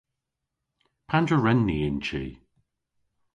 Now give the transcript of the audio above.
Pandr'a wren ni y'n chi?